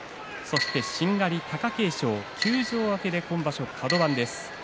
しんがりの貴景勝は休場明けで今場所、カド番です。